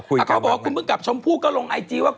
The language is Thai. เขาบอกว่าคุณผู้กลับชมพูก็ลงไอจีว่า